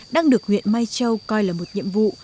đang được huyện mai châu coi là một nhiệm vụ